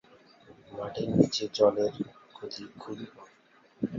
মাটির নিচে জলের গতি খুবই কম।